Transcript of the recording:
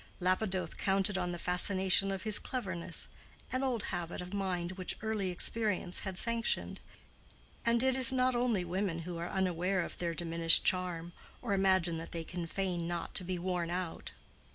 Lapidoth counted on the fascination of his cleverness—an old habit of mind which early experience had sanctioned: and it is not only women who are unaware of their diminished charm, or imagine that they can feign not to be worn out.